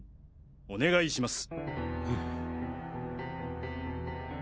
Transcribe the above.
お願いします。